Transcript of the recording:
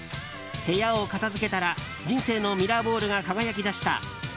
「部屋を片づけたら人生のミラーボールが輝きだした。